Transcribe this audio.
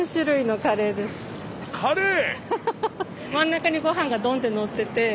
カレー！？